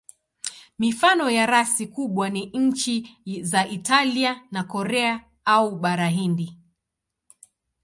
Mifano ya rasi kubwa ni nchi za Italia na Korea au Bara Hindi.